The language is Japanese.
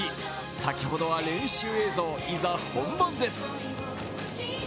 先ほどは練習映像、いざ、本番です。